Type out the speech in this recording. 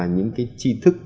những cái tri thức